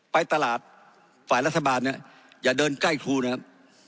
ไปตลาดฝ่ายรัฐบาลเนี่ยอย่าเดินใกล้ครูนะครับ